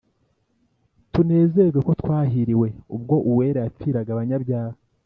tunezewe ko twahiriwe, ubwo uwera yapfiraga abanyabyaha